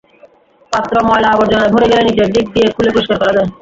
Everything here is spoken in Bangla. পাত্র ময়লা-আবর্জনায় ভরে গেলে নিচের দিক দিয়ে খুলে পরিষ্কার করা হয়।